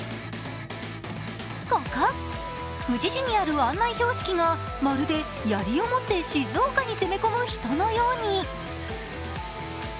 ここ、富士市にある案内標識がやりを持って静岡に攻め込む人のように。